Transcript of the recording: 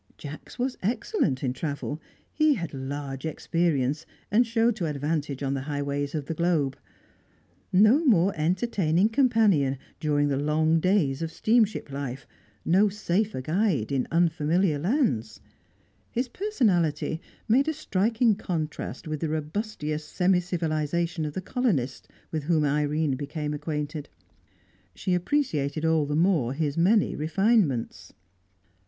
Jacks was excellent in travel; he had large experience, and showed to advantage on the highways of the globe. No more entertaining companion during the long days of steamship life; no safer guide in unfamiliar lands. His personality made a striking contrast with the robustious semi civilisation of the colonists with whom Irene became acquainted; she appreciated all the more his many refinements.